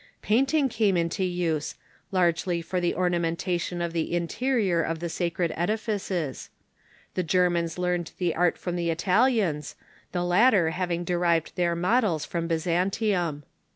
Painting came into use, largely for the ornamentation of the interior of the sacred edifices. The Germans learned the art from the Italians, the latter having derived their models from Byzantium.